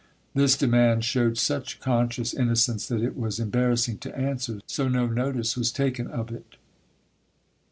This demand showed such conscious innocence that it was embarrassing to answer, so no notice was taken of it.